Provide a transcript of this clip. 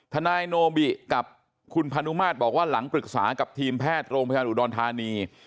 ทนายโนบิกับคุณพานุมาตรบอกว่าหลังปรึกษากับทีมแพทย์โรงพยาบาลอุดรธานี